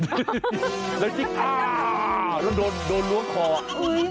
นะครับแล้วอีกเยี่ยมโดนลักของ